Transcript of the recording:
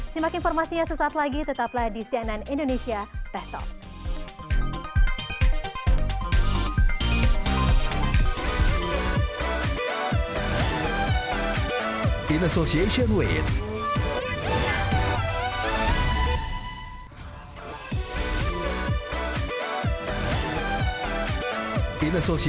simak informasinya sesaat lagi tetaplah di cnn indonesia tech talk